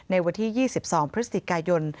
ในวันที่๒๒พฤศจิกายน